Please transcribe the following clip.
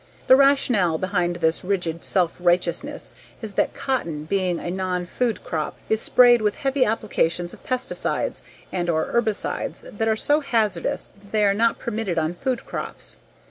The rationale behind this rigid self righteousness is that cotton, being a nonfood crop, is sprayed with heavy applications of pesticides and/or herbicides that are so hazardous that they not permitted on food crops.